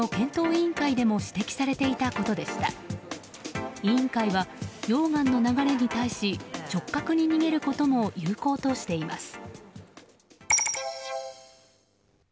委員会は溶岩の流れに対し直角に逃げることも有効としています。